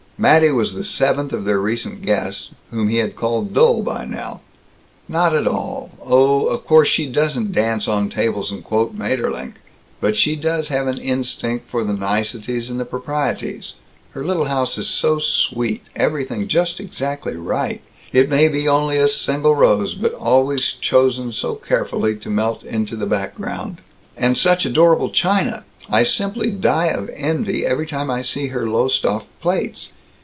Mattie was the seventh of their recent guests whom he had called dull by now. "Not at all oh, of course she doesn't dance on tables and quote Maeterlinck, but she does have an instinct for the niceties and the proprieties her little house is so sweet everything just exactly right it may be only a single rose, but always chosen so carefully to melt into the background; and such adorable china I simply die of envy every time I see her Lowestoft plates.